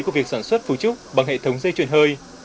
của việc sản xuất phú trúc bằng hệ thống dây chuyển hơi